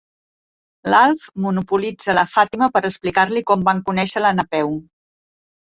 L'Alf monopolitza la Fàtima per explicar-li com van conèixer la Napeu.